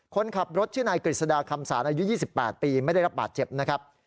คนขับรถชื่อนายกฤษฎาคำสารอายุ๒๘ปีไม่ได้รับบาดเจ็บนะครับ